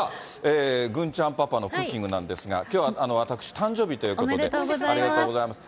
郡ちゃんパパのクッキングなんですが、きょうはおめでとうございます。